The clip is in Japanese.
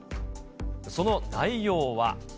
その内容は。